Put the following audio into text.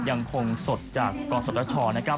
ยังคงสดจากกศชนะครับ